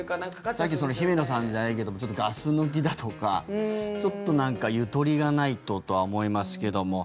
さっきの姫野さんじゃないけどもちょっとガス抜きだとかちょっとゆとりがないととは思いますけども。